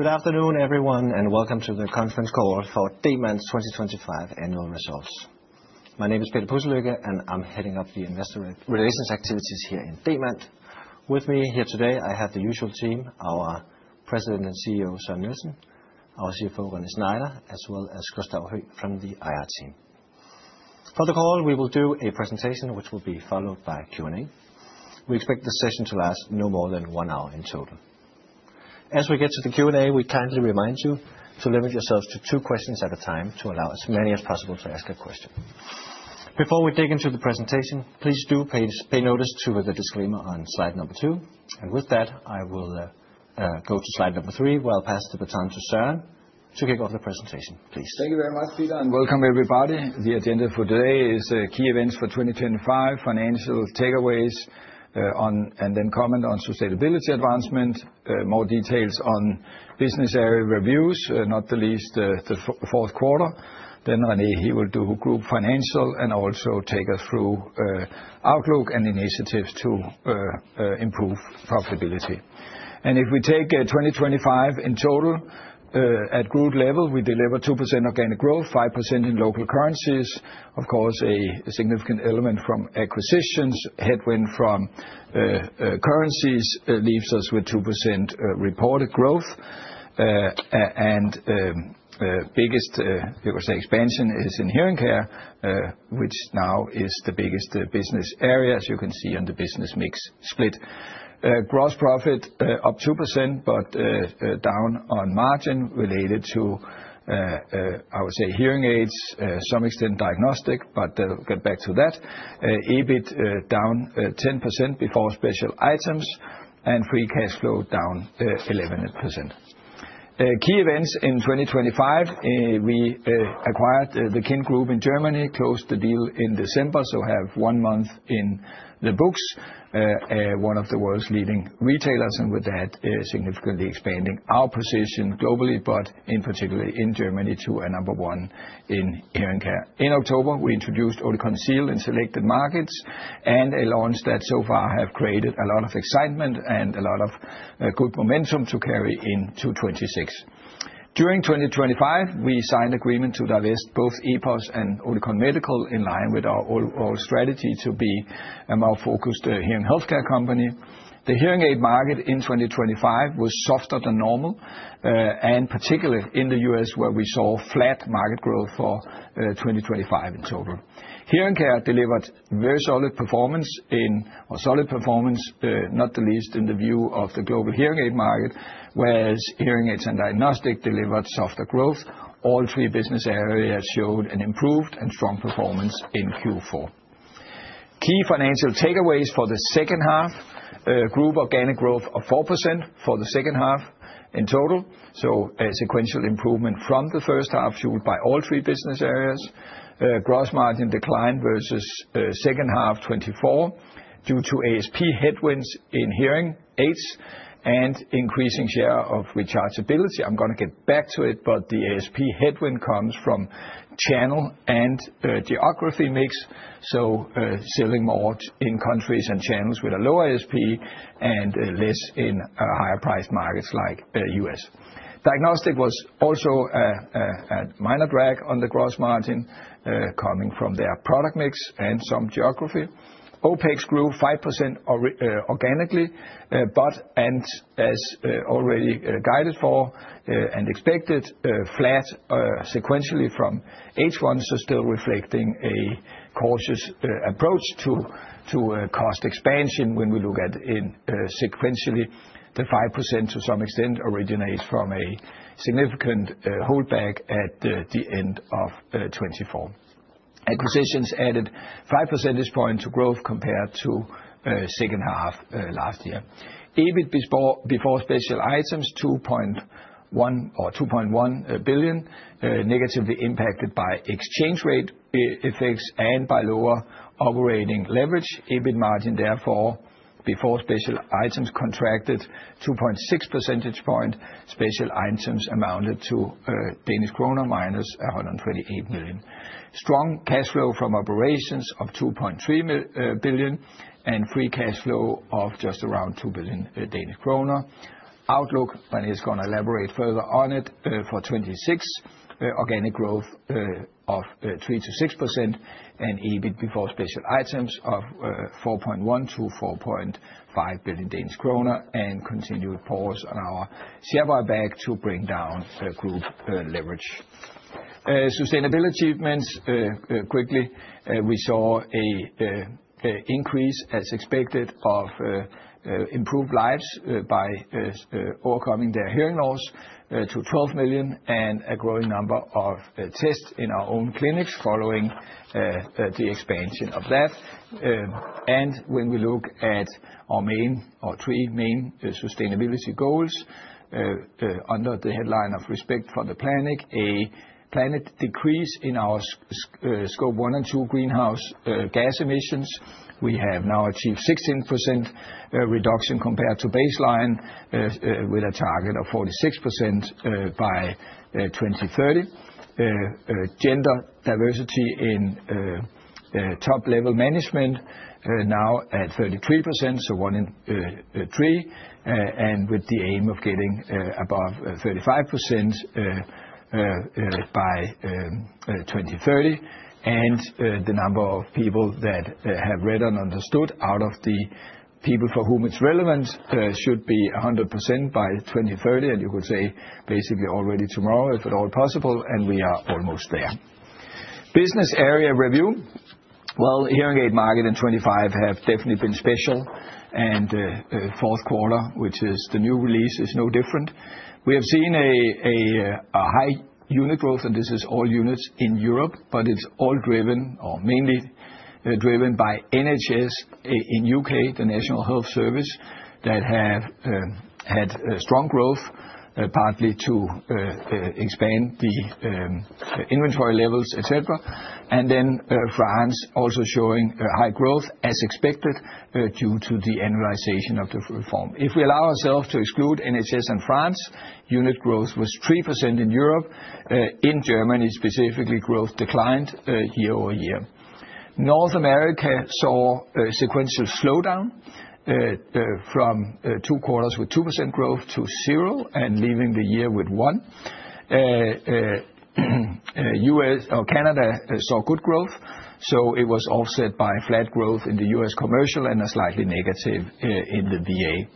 Good afternoon, everyone, and welcome to the conference call for Demant's 2025 annual results. My name is Peter Pudselykke, and I'm heading up the investor relations activities here in Demant. With me here today, I have the usual team, our President and CEO, Søren Nielsen, our CFO, René Schneider, as well as Gustav Høegh from the IR team. For the call, we will do a presentation, which will be followed by Q&A. We expect the session to last no more than 1 hour in total. As we get to the Q&A, we kindly remind you to limit yourselves to 2 questions at a time to allow as many as possible to ask a question. Before we dig into the presentation, please pay notice to the disclaimer on slide number 2, and with that, I will go to slide number 3, where I'll pass the baton to Søren to kick off the presentation, please. Thank you very much, Peter, and welcome, everybody. The agenda for today is key events for 2025, financial takeaways on, and then comment on sustainability advancement, more details on business area reviews, not the least, the fourth quarter. Then René, he will do group financial and also take us through outlook and initiatives to improve profitability. And if we take 2025 in total, at group level, we deliver 2% organic growth, 5% in local currencies. Of course, a significant element from acquisitions, headwind from currencies, leaves us with 2% reported growth. And biggest we would say expansion is in Hearing Care, which now is the biggest business area, as you can see on the business mix split. Gross profit up 2%, but down on margin related to, I would say, Hearing Aids to some extent diagnostic, but I'll get back to that. EBIT down 10% before special items, and free cash flow down 11%. Key events in 2025, we acquired the KIND Group in Germany, closed the deal in December, so have one month in the books. One of the world's leading retailers, and with that, significantly expanding our position globally, but in particular in Germany, to a number one in Hearing Care. In October, we introduced Oticon Zeal in selected markets, and a launch that so far have created a lot of excitement and a lot of good momentum to carry into 2026. During 2025, we signed agreement to divest both EPOS and Oticon Medical in line with our overall strategy to be a more focused hearing healthcare company. The hearing aid market in 2025 was softer than normal, and particularly in the U.S., where we saw flat market growth for 2025 in total. Hearing care delivered very solid performance or solid performance, not the least in the view of the global hearing aid market, whereas Hearing Aids and diagnostic delivered softer growth. All three business areas showed an improved and strong performance in Q4. Key financial takeaways for the second half, group organic growth of 4% for the second half in total, so a sequential improvement from the first half, fueled by all three business areas. Gross margin declined versus second half 2024 due to ASP headwinds in Hearing Aids and increasing share of rechargeability. I'm gonna get back to it, but the ASP headwind comes from channel and geography mix, so selling more in countries and channels with a lower ASP, and less in higher priced markets like U.S. Diagnostics was also a minor drag on the gross margin, coming from their product mix and some geography. OpEx grew 5% or organically, but and as already guided for and expected flat sequentially from H1, so still reflecting a cautious approach to cost expansion when we look at in sequentially, the 5% to some extent originates from a significant holdback at the end of 2024. Acquisitions added five percentage point to growth compared to second half last year. EBIT before special items 2.1 or 2.1 billion negatively impacted by exchange rate effects and by lower operating leverage. EBIT margin, therefore, before special items contracted 2.6 percentage point. Special items amounted to 128 million Danish kroner. Strong cash flow from operations of 2.3 billion and free cash flow of just around 2 billion Danish kroner. Outlook, and he's gonna elaborate further on it for 2026 organic growth of 3%-6% and EBIT before special items of 4.1 billion-4.5 billion Danish kroner and continued pause on our share buyback to bring down group leverage. Sustainability achievements, quickly, we saw a increase, as expected, of improved lives by overcoming their hearing loss to 12 million, and a growing number of tests in our own clinics, following the expansion of that. And when we look at our main, our three main sustainability goals, under the headline of respect for the planet, a planned decrease in our Scope 1 and 2 greenhouse gas emissions. We have now achieved 16% reduction compared to baseline, with a target of 46% by 2030. Gender diversity in top level management now at 33%, so one in three, and with the aim of getting above 35% by 2030. And, the number of people that have read and understood out of the people for whom it's relevant should be 100% by 2030, and you could say basically already tomorrow, if at all possible, and we are almost there. Business area review. Well, hearing aid market in 2025 have definitely been special, and, fourth quarter, which is the new release, is no different. We have seen a high unit growth, and this is all units in Europe, but it's all driven, or mainly driven, by NHS in U.K., the National Health Service, that have had strong growth, partly to expand the inventory levels, et cetera. And then, France also showing high growth, as expected, due to the annualization of the reform. If we allow ourselves to exclude NHS and France, unit growth was 3% in Europe. In Germany, specifically, growth declined year-over-year. North America saw a sequential slowdown from two quarters with 2% growth to 0%, and leaving the year with 1%. Canada saw good growth, so it was offset by flat growth in the U.S. commercial and a slightly negative in the VA.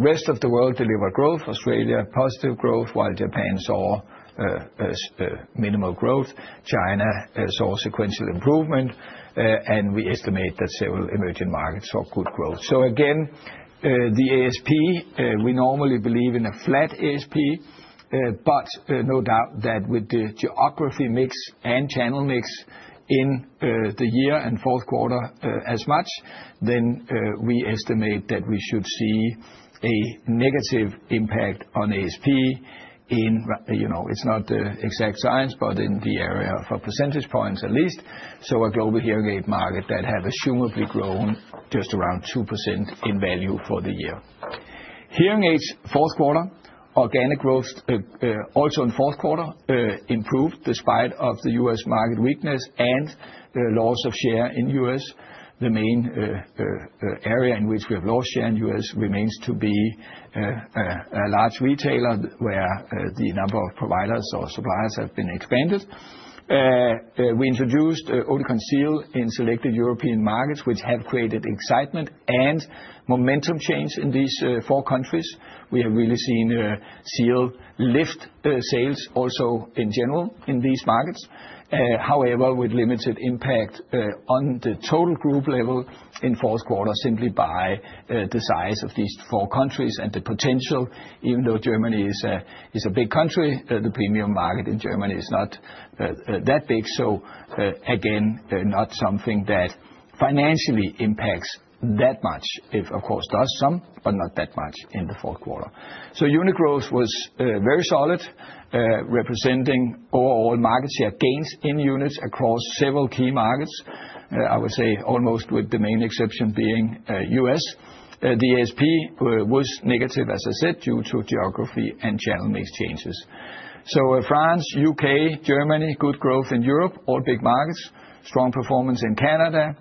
Rest of the world delivered growth. Australia, positive growth, while Japan saw minimal growth. China saw sequential improvement, and we estimate that several emerging markets saw good growth. So again, the ASP, we normally believe in a flat ASP, but no doubt that with the geography mix and channel mix in the year and fourth quarter, as much then, we estimate that we should see a negative impact on ASP. You know, it's not an exact science, but in the area of a percentage points at least. So a global hearing aid market that have assumably grown just around 2% in value for the year. Hearing aids fourth quarter, organic growth, also in fourth quarter, improved despite of the U.S. market weakness and the loss of share in U.S. The main area in which we have lost share in U.S. remains to be a large retailer, where the number of providers or suppliers have been expanded. We introduced Oticon Zeal in selected European markets, which have created excitement and momentum change in these four countries. We have really seen Zeal lift sales also in general in these markets. However, with limited impact on the total group level in fourth quarter, simply by the size of these four countries and the potential, even though Germany is a big country, the premium market in Germany is not that big. So, again, not something that financially impacts that much. It, of course, does some, but not that much in the fourth quarter. So unit growth was very solid, representing overall market share gains in units across several key markets. I would say almost with the main exception being U.S. The ASP was negative, as I said, due to geography and channel mix changes. So, France, U.K., Germany, good growth in Europe, all big markets. Strong performance in Canada.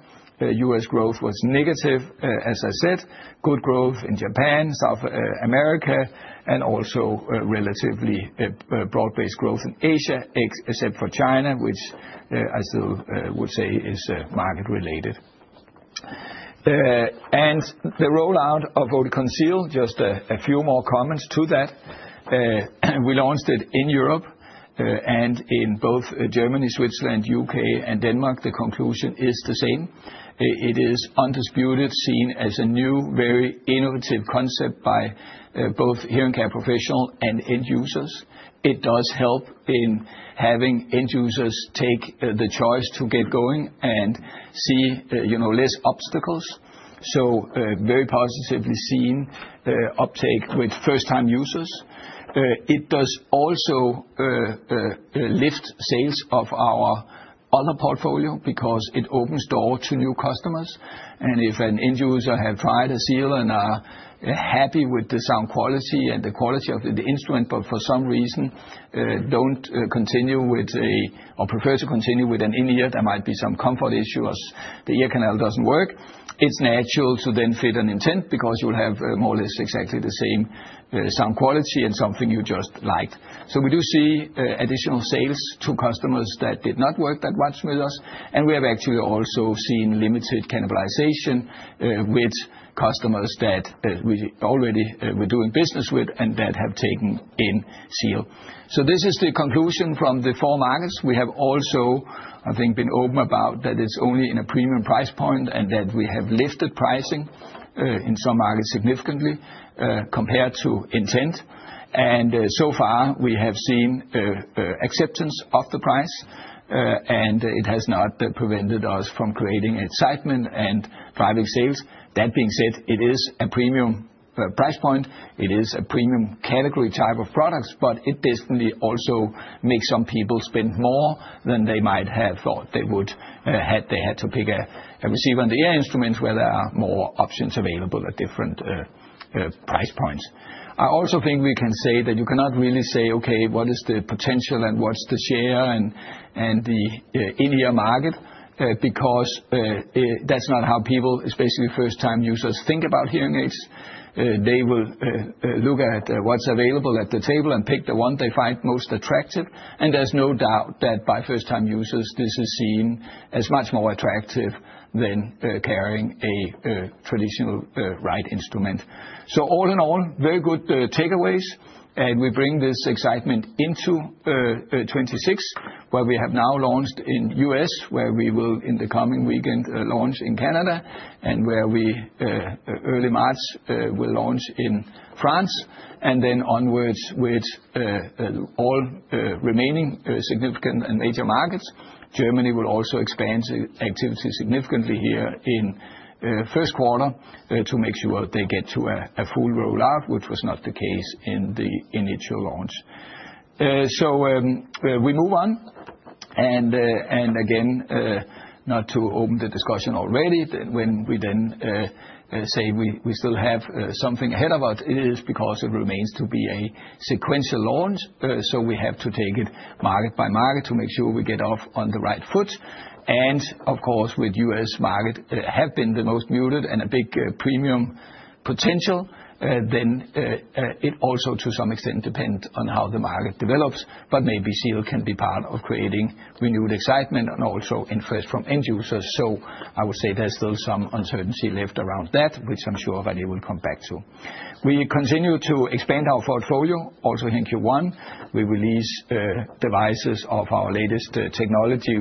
U.S. growth was negative, as I said. Good growth in Japan, South America, and also relatively broad-based growth in Asia, except for China, which I still would say is market related. And the rollout of Oticon Zeal, just a few more comments to that. We launched it in Europe, and in both Germany, Switzerland, U.K., and Denmark, the conclusion is the same. It is undisputed, seen as a new, very innovative concept by both Hearing Care professional and end users. It does help in having end users take the choice to get going and see, you know, less obstacles. So, very positively seeing uptake with first-time users. It does also lift sales of our other portfolio, because it opens door to new customers. And if an end user have tried a Zeal and are happy with the sound quality and the quality of the instrument, but for some reason don't continue with or prefer to continue with an in-ear, there might be some comfort issues, the ear canal doesn't work, it's natural to then fit an Intent, because you will have more or less exactly the same sound quality and something you just liked. So we do see additional sales to customers that did not work that much with us, and we have actually also seen limited cannibalization with customers that we already were doing business with and that have taken in Zeal. So this is the conclusion from the four markets. We have also, I think, been open about that it's only in a premium price point, and that we have lifted pricing in some markets significantly compared to Intent. So far, we have seen acceptance of the price, and it has not prevented us from creating excitement and driving sales. That being said, it is a premium product price point. It is a premium category type of products, but it definitely also makes some people spend more than they might have thought they would had they had to pick a receiver in the ear instrument, where there are more options available at different price points. I also think we can say that you cannot really say, okay, what is the potential and what's the share and, and the, in-ear market, because, that's not how people, especially first-time users, think about Hearing Aids. They will, look at, what's available at the table and pick the one they find most attractive, and there's no doubt that by first-time users, this is seen as much more attractive than, carrying a, traditional, RITE instrument. So all in all, very good, takeaways, and we bring this excitement into, 2026, where we have now launched in U.S., where we will, in the coming weekend, launch in Canada, and where we, early March, will launch in France, and then onwards with, all, remaining, significant and major markets. Germany will also expand activity significantly here in first quarter to make sure they get to a full rollout, which was not the case in the initial launch. So, we move on, and again, not to open the discussion already, but when we then say we still have something ahead of us, it is because it remains to be a sequential launch. So we have to take it market by market to make sure we get off on the right foot. And of course, with U.S. market have been the most muted and a big premium potential, then it also, to some extent, depend on how the market develops, but maybe Zeal can be part of creating renewed excitement and also interest from end users. So I would say there's still some uncertainty left around that, which I'm sure René will come back to. We continue to expand our portfolio. Also, in Q1, we release devices of our latest technology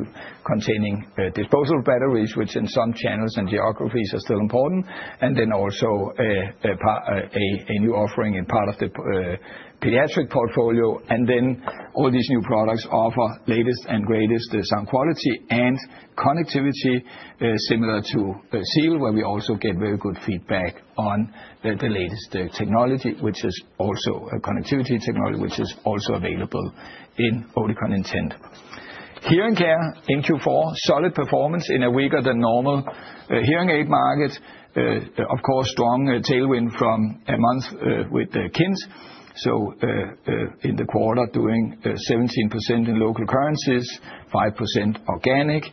containing disposable batteries, which in some channels and geographies are still important, and then also a new offering in part of the pediatric portfolio. And then all these new products offer latest and greatest sound quality and connectivity similar to Zeal, where we also get very good feedback on the latest technology, which is also a connectivity technology, which is also available in Oticon Intent. Hearing Care in Q4, solid performance in a weaker than normal hearing aid market. Of course, strong tailwind from a month with KIND. So, in the quarter, doing 17% in local currencies, 5% organic,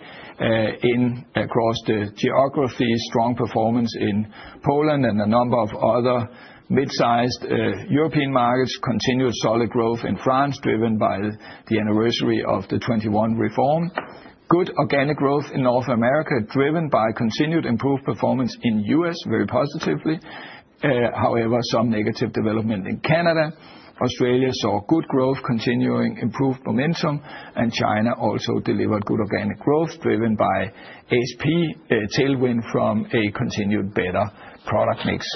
in across the geographies. Strong performance in Poland and a number of other mid-sized European markets. Continued solid growth in France, driven by the anniversary of the 2021 reform. Good organic growth in North America, driven by continued improved performance in U.S., very positively. However, some negative development in Canada. Australia saw good growth, continuing improved momentum, and China also delivered good organic growth, driven by ASP tailwind from a continued better product mix.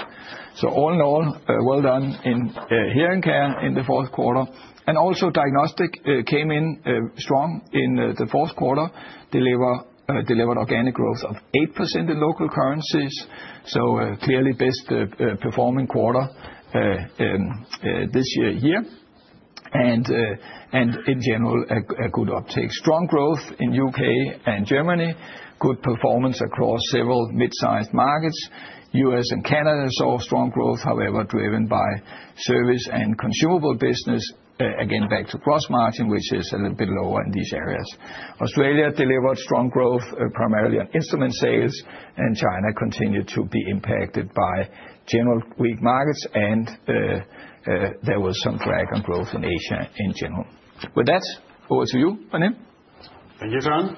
So all in all, well done in Hearing Care in the fourth quarter. And also, Diagnostics came in strong in the fourth quarter, delivered organic growth of 8% in local currencies, so clearly best performing quarter in this year-to-year, and in general, a good uptake. Strong growth in U.K. and Germany. Good performance across several mid-sized markets. U.S. and Canada saw strong growth, however, driven by service and consumable business, again, back to gross margin, which is a little bit lower in these areas. Australia delivered strong growth, primarily on instrument sales, and China continued to be impacted by general weak markets, and there was some drag on growth in Asia in general. With that, over to you, René. Thank you, Søren.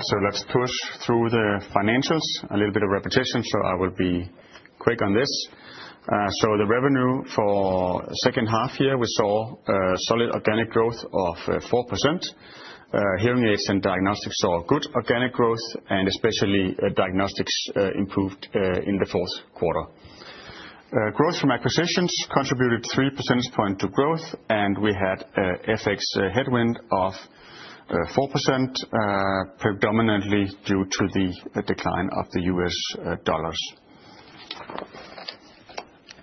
So let's push through the financials. A little bit of repetition, so I will be quick on this. So the revenue for second half year, we saw solid organic growth of 4%. Hearing Aids and Diagnostics saw good organic growth, and especially Diagnostics improved in the fourth quarter. Growth from acquisitions contributed three percentage points to growth, and we had a FX headwind of 4%, predominantly due to the decline of the U.S. dollars.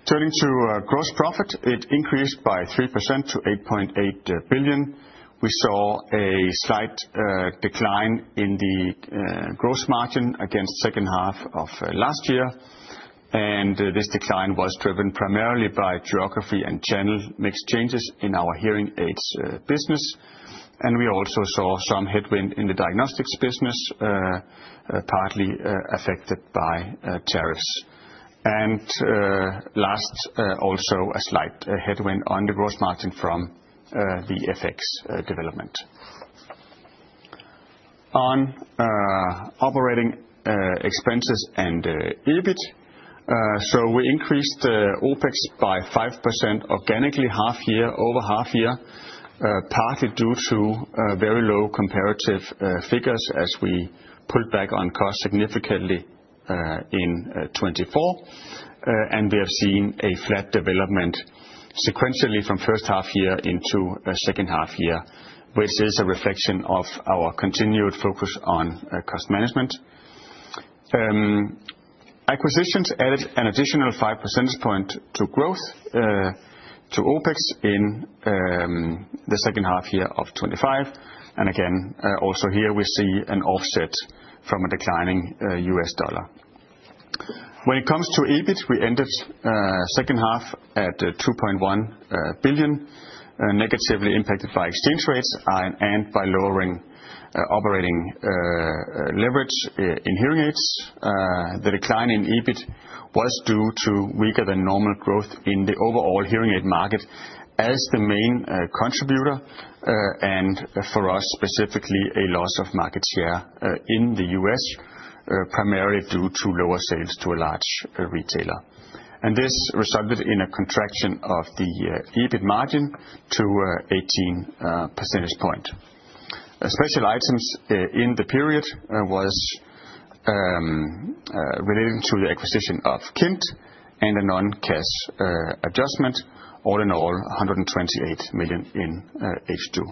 Turning to gross profit, it increased by 3% to 8.8 billion. We saw a slight decline in the gross margin against second half of last year, and this decline was driven primarily by geography and channel mix changes in our Hearing Aids business. We also saw some headwind in the Diagnostics business, partly affected by tariffs. And last, also a slight headwind on the gross margin from the FX development. On operating expenses and EBIT, so we increased OpEx by 5% organically, half year over half year, partly due to very low comparative figures as we pulled back on cost significantly in 2024. And we have seen a flat development sequentially from first half year into second half year, which is a reflection of our continued focus on cost management. Acquisitions added an additional five percentage point to growth to OpEx in the second half year of 2025, and again, also here we see an offset from a declining U.S. dollar. When it comes to EBIT, we ended second half at 2.1 billion, negatively impacted by exchange rates and by lowering operating leverage in Hearing Aids. The decline in EBIT was due to weaker than normal growth in the overall hearing aid market as the main contributor, and for us, specifically, a loss of market share in the U.S., primarily due to lower sales to a large retailer. And this resulted in a contraction of the EBIT margin to 18 percentage point. Special items in the period was relating to the acquisition of KIND and a non-cash adjustment. All in all, 128 million in H2.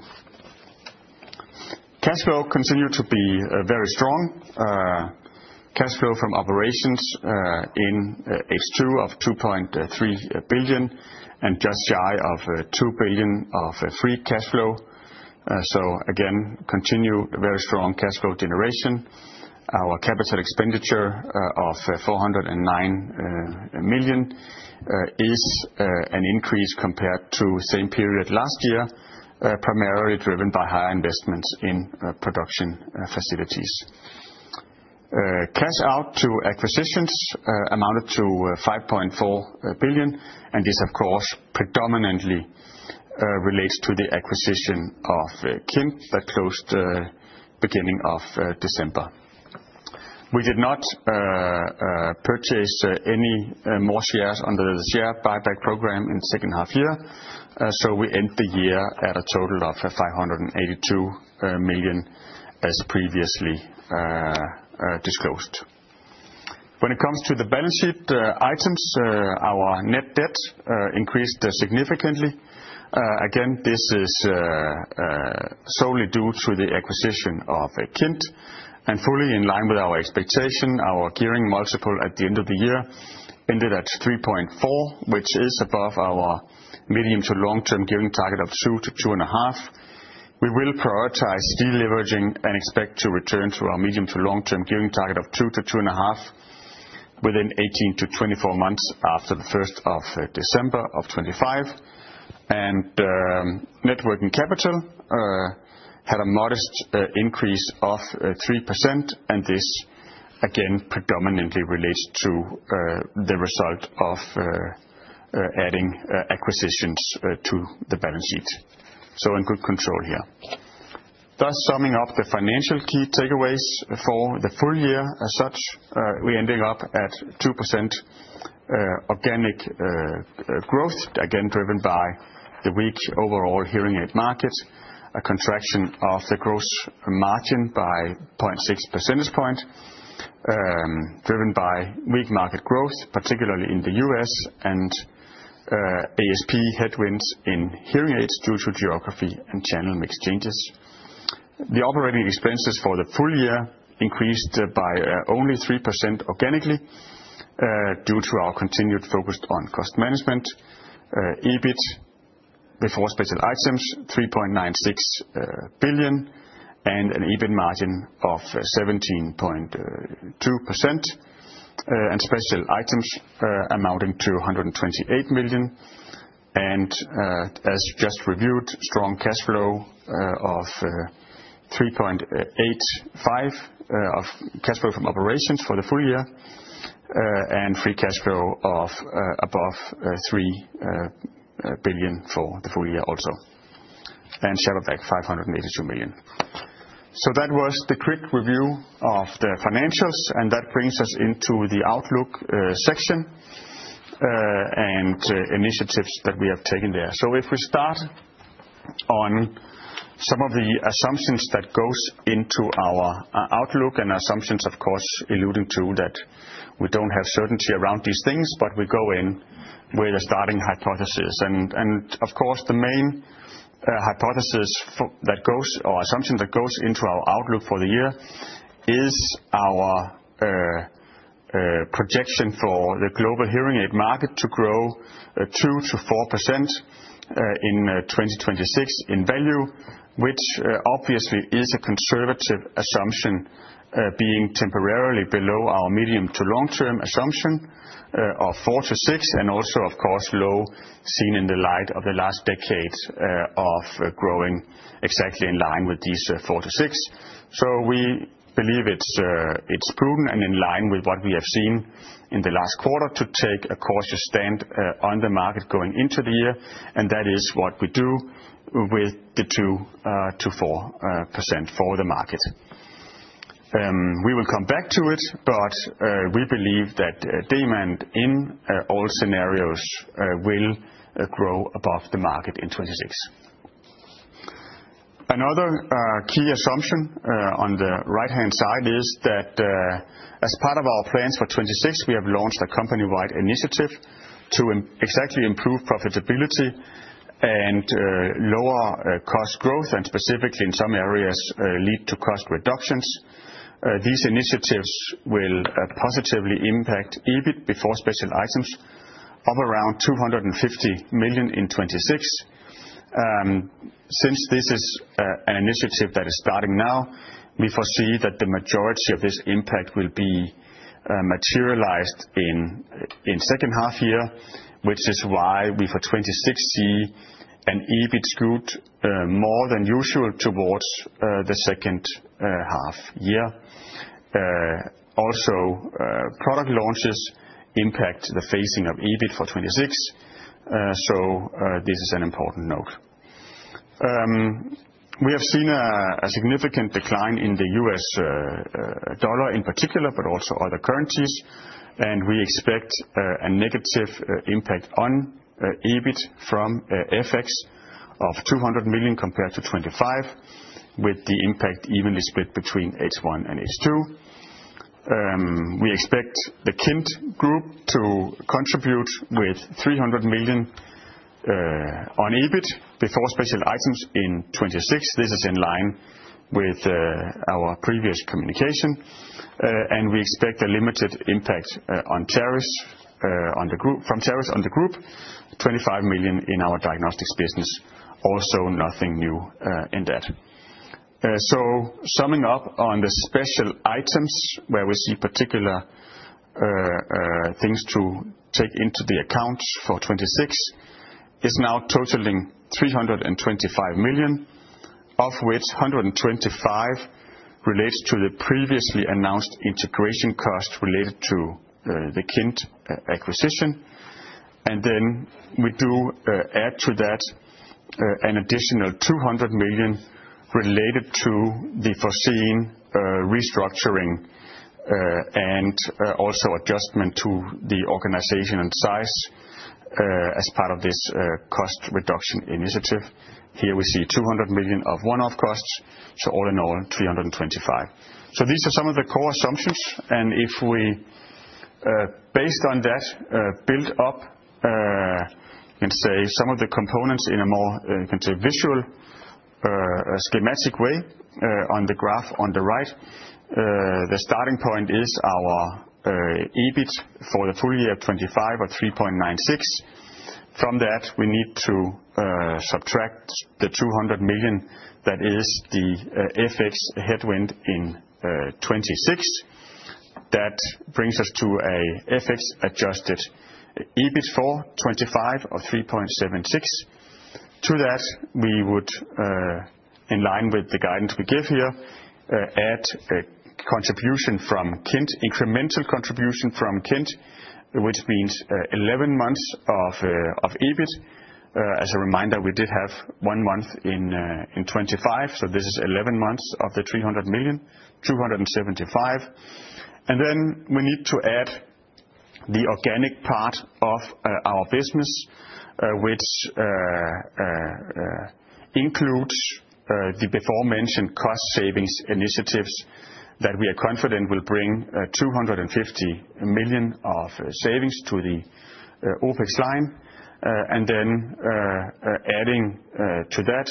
Cash flow continued to be very strong. Cash flow from operations in H2 of 2.3 billion, and just shy of 2 billion of free cash flow. So again, continue very strong cash flow generation. Our capital expenditure of 409 million is an increase compared to same period last year, primarily driven by higher investments in production facilities. Cash out to acquisitions amounted to 5.4 billion, and this, of course, predominantly relates to the acquisition of KIND, that closed beginning of December. We did not purchase any more shares under the share buyback program in the second half year, so we end the year at a total of 582 million, as previously disclosed. When it comes to the balance sheet items, our net debt increased significantly. Again, this is solely due to the acquisition of KIND, and fully in line with our expectation, our gearing multiple at the end of the year ended at 3.4, which is above our medium to long-term gearing target of 2-2.5. We will prioritize deleveraging and expect to return to our medium to long-term gearing target of 2-2.5 within 18 months-24 months after the first of December 2025. Net working capital had a modest increase of 3%, and this, again, predominantly relates to the result of adding acquisitions to the balance sheet. So in good control here. Thus, summing up the financial key takeaways for the full year as such, we're ending up at 2% organic growth, again, driven by the weak overall hearing aid market. A contraction of the gross margin by 0.6 percentage point, driven by weak market growth, particularly in the U.S. and ASP headwinds in Hearing Aids due to geography and channel mix changes. The operating expenses for the full year increased by only 3% organically, due to our continued focus on cost management. EBIT before special items, 3.96 billion, and an EBIT margin of 17.2%, and special items amounting to 128 million. As just reviewed, strong cash flow of 3.85 billion from operations for the full year, and free cash flow of above 3 billion for the full year also, and share buyback 582 million. That was the quick review of the financials, and that brings us into the outlook section and initiatives that we have taken there. If we start on some of the assumptions that goes into our outlook, and assumptions, of course, alluding to that we don't have certainty around these things, but we go in with a starting hypothesis. Of course, the main hypothesis or assumption that goes into our outlook for the year is our projection for the global hearing aid market to grow 2%-4% in 2026 in value, which obviously is a conservative assumption, being temporarily below our medium- to long-term assumption of 4%-6%, and also, of course, low, seen in the light of the last decade of growing exactly in line with these 4%-6%. So we believe it's prudent and in line with what we have seen in the last quarter to take a cautious stand on the market going into the year, and that is what we do with the 2%-4% for the market. We will come back to it, but we believe that demand in all scenarios will grow above the market in 2026. Another key assumption on the right-hand side is that, as part of our plans for 2026, we have launched a company-wide initiative to improve profitability and lower cost growth, and specifically in some areas lead to cost reductions. These initiatives will positively impact EBIT before special items of around 250 million in 2026. Since this is an initiative that is starting now, we foresee that the majority of this impact will be materialized in second half year, which is why we, for 2026 an EBIT skewed more than usual towards the second half year. Also, product launches impact the phasing of EBIT for 2026, so this is an important note. We have seen a significant decline in the U.S. dollar in particular, but also other currencies. We expect a negative impact on EBIT from FX of 200 million compared to 2025, with the impact evenly split between H1 and H2. We expect the KIND group to contribute with 300 million on EBIT before special items in 2026. This is in line with our previous communication, and we expect a limited impact on tariffs on the group - from tariffs on the group, 25 million in our Diagnostics business. Also, nothing new in that. So summing up on the special items, where we see particular things to take into account for 2026, is now totaling 325 million, of which 125 relates to the previously announced integration cost related to the KIND acquisition. And then we do add to that an additional 200 million related to the foreseen restructuring and also adjustment to the organization and size as part of this cost reduction initiative. Here we see 200 million of one-off costs, so all in all, 325 million. So these are some of the core assumptions, and if we based on that build up and say some of the components in a more you can say visual schematic way on the graph on the right. The starting point is our EBIT for the full year 2025 of 3.96. From that, we need to subtract the 200 million that is the FX headwind in 2026. That brings us to a FX-adjusted EBIT for 2025 of 3.76. To that, we would in line with the guidance we give here add a contribution from KIND, incremental contribution from KIND, which means 11 months of of EBIT. As a reminder, we did have one month in in 2025, so this is 11 months of the 300 million, 275. Then we need to add the organic part of our business, which includes the aforementioned cost savings initiatives that we are confident will bring 250 million of savings to the OpEx line. Then adding to that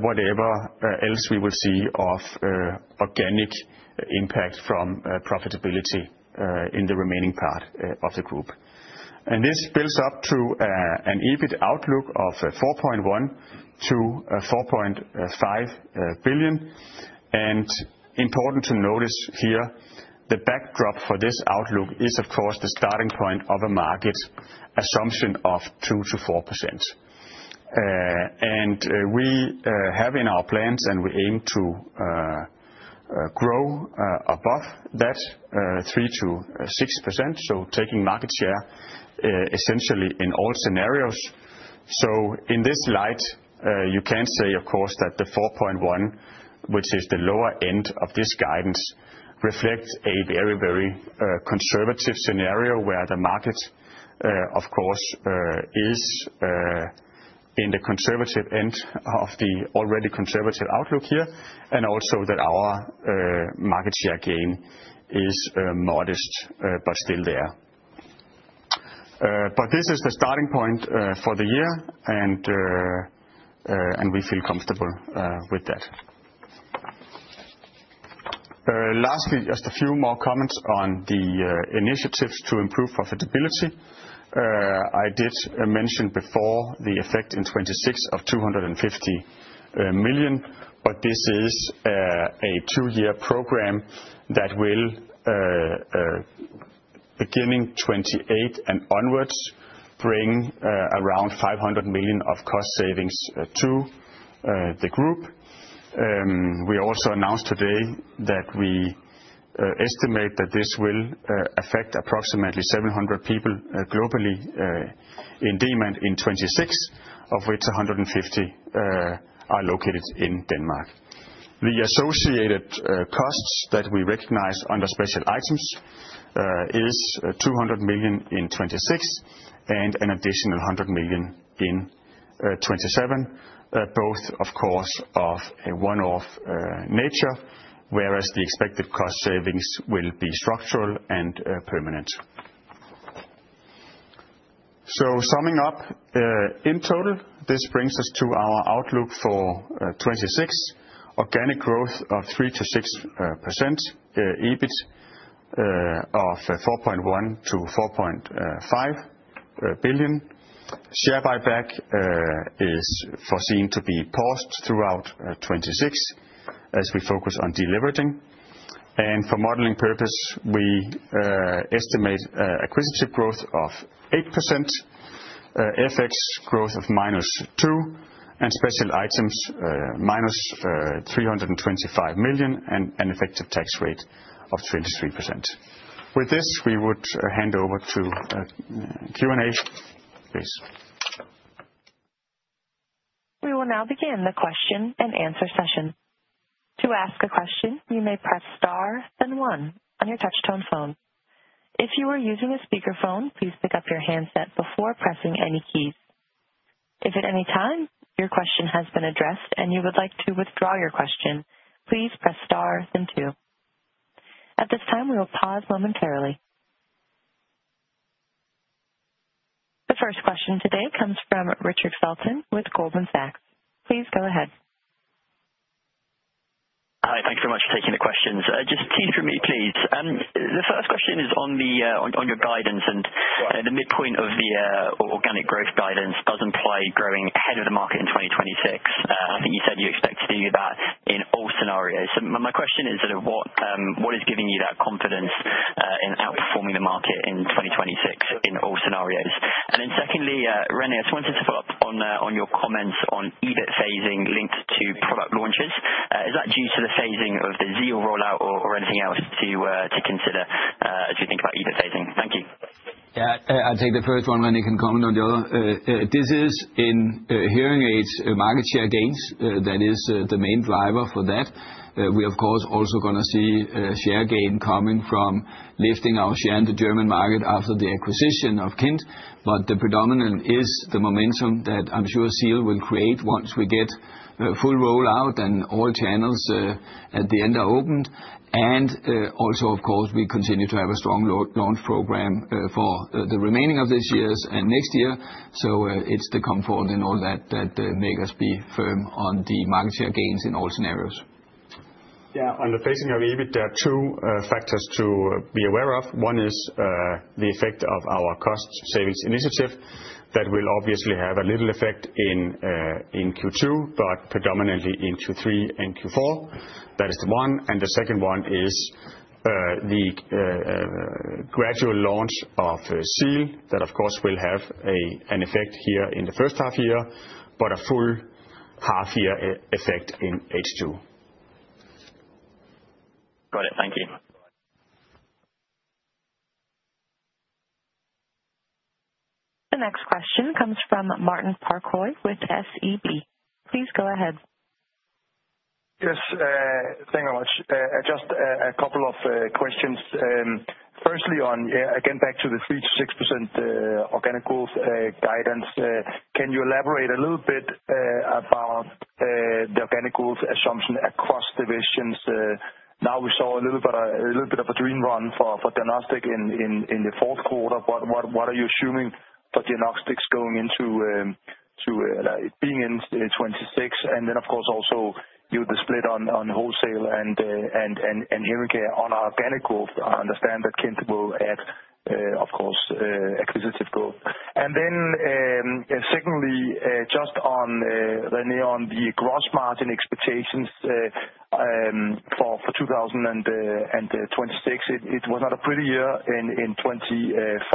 whatever else we will see of organic impact from profitability in the remaining part of the group. And this builds up to an EBIT outlook of 4.1 billion-4.5 billion. And important to notice here, the backdrop for this outlook is, of course, the starting point of a market assumption of 2%-4%. And, we have in our plans, and we aim to grow above that 3%-6%, so taking market share essentially in all scenarios. So in this light, you can say, of course, that the 4.1%, which is the lower end of this guidance, reflects a very, very conservative scenario, where the market, of course, is in the conservative end of the already conservative outlook here, and also that our market share gain is modest, but still there. But this is the starting point for the year, and we feel comfortable with that. Lastly, just a few more comments on the initiatives to improve profitability. I did mention before the effect in 2026 of 250 million, but this is a two-year program that will beginning 2028 and onwards, bring around 500 million of cost savings to the group. We also announced today that we estimate that this will affect approximately 700 people globally in Demant in 2026, of which 150 are located in Denmark. The associated costs that we recognize under special items is 200 million in 2026 and an additional 100 million in 2027. Both, of course, of a one-off nature, whereas the expected cost savings will be structural and permanent. So summing up in total, this brings us to our outlook for 2026. Organic growth of 3%-6%, EBIT of 4.1 billion-4.5 billion. Share buyback is foreseen to be paused throughout 2026 as we focus on deleveraging. For modeling purpose, we estimate acquisitive growth of 8%, FX growth of -2%, and special items minus 325 million, and an effective tax rate of 23%. With this, we would hand over to Q&A, please. We will now begin the question-and-answer session. To ask a question, you may press star, then one on your touch-tone phone. If you are using a speakerphone, please pick up your handset before pressing any keys. If at any time your question has been addressed and you would like to withdraw your question, please press star then two. At this time, we will pause momentarily. The first question today comes from Richard Felton with Goldman Sachs. Please go ahead. Hi, thank you so much for taking the questions. Just two for me, please. The first question is on your guidance, and the midpoint of the organic growth guidance does imply growing ahead of the market in 2026. I think you said you expect to do that in all scenarios. So my question is sort of what is giving you that confidence in outperforming the market in 2026 in all scenarios? And then secondly, René, I just wanted to follow up on your comments on EBIT phasing linked to product launches. Is that due to the phasing of the Zeal rollout or anything else to consider as you think about EBIT phasing? Thank you. Yeah, I'll take the first one, René can comment on the other. This is in Hearing Aids market share gains. That is the main driver for that. We, of course, also going to see share gain coming from lifting our share in the German market after the acquisition of KIND, but the predominant is the momentum that I'm sure Zeal will create once we get full rollout and all channels at the end are opened. And, also, of course, we continue to have a strong launch program for the remaining of this year and next year. So, it's the comfort and all that that make us be firm on the market share gains in all scenarios. Yeah. On the phasing of EBIT, there are two factors to be aware of. One is the effect of our cost savings initiative. That will obviously have a little effect in in Q2, but predominantly in Q3 and Q4. That is the one, and the second one is the gradual launch of Zeal. That, of course, will have an effect here in the first half year, but a full half year effect in H2. Got it. Thank you. The next question comes from Martin Parkhøi with SEB. Please go ahead. Yes, thank you very much. Just a couple of questions. Firstly, again back to the 3%-6% organic growth guidance, can you elaborate a little bit about the organic growth assumption across divisions? Now we saw a little bit of a dream run for Diagnostics in the fourth quarter. What are you assuming for Diagnostics going into 2026? And then, of course, also you the split on wholesale and Hearing Care on organic growth. I understand that KIND will add, of course, acquisitive growth. And then, secondly, just on René, on the gross margin expectations for 2026, it was not a pretty year in 2025.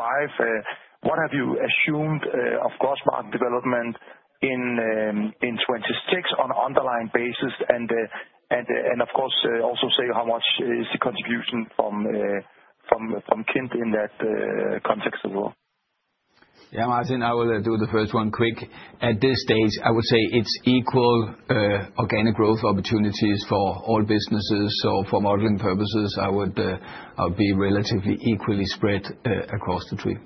What have you assumed of gross margin development in 2026 on underlying basis? And, of course, also say, how much is the contribution from KIND in that context as well? Yeah, Martin, I will do the first one quick. At this stage, I would say it's equal, organic growth opportunities for all businesses. So for modeling purposes, I would, I'll be relatively equally spread, across the three.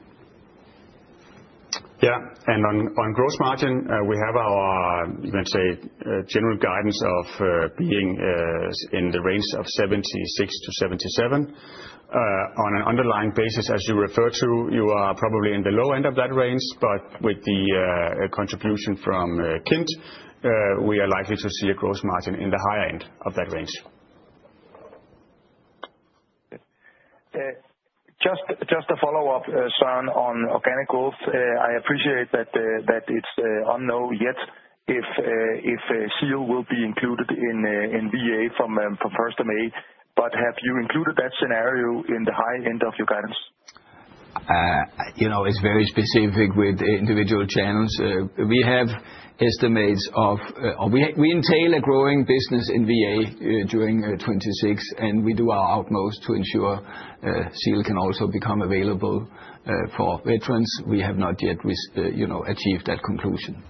Yeah, and on gross margin, we have our, let's say, general guidance of being in the range of 76%-77%. On an underlying basis, as you refer to, you are probably in the low end of that range, but with the contribution from KIND, we are likely to see a gross margin in the high end of that range. Just a follow-up, Søren, on organic growth. I appreciate that it's unknown yet if Zeal will be included in VA from first of May, but have you included that scenario in the high end of your guidance? You know, it's very specific with the individual channels. We have estimates of, we entail a growing business in VA during 2026, and we do our utmost to ensure Zeal can also become available for veterans. We have not yet, you know, achieved that conclusion.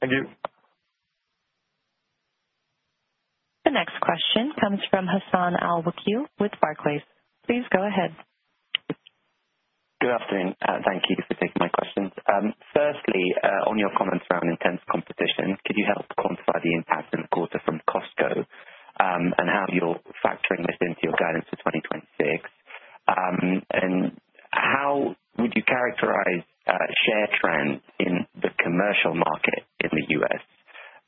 Thank you. The next question comes from Hassan Al-Wakeel with Barclays. Please go ahead.... Good afternoon. Thank you for taking my questions. Firstly, on your comments around intense competition, could you help quantify the impact in the quarter from Costco, and how you're factoring this into your guidance for 2026? And how would you characterize, share trends in the commercial market in the U.S.?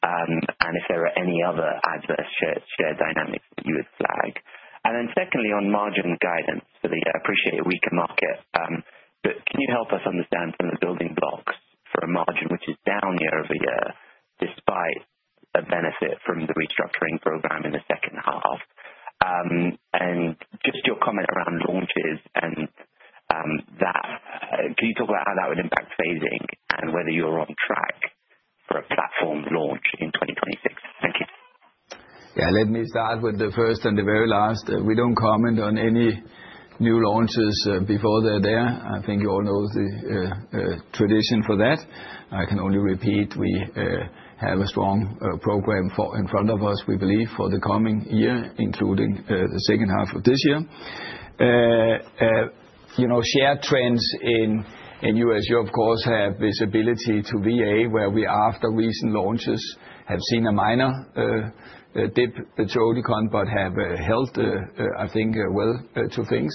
And if there are any other adverse share, share dynamics that you would flag. And then secondly, on margin guidance for the year, I appreciate a weaker market, but can you help us understand from the building blocks for a margin which is down year-over-year, despite a benefit from the restructuring program in the second half? And just your comment around launches and, that, can you talk about how that would impact phasing and whether you're on track for a platform launch in 2026? Thank you. Yeah, let me start with the first and the very last. We don't comment on any new launches before they're there. I think you all know the tradition for that. I can only repeat, we have a strong program in front of us, we believe, for the coming year, including the second half of this year. You know, share trends in U.S., you of course, have visibility to VA, where we, after recent launches, have seen a minor dip at Oticon, but have held, I think, well, two things.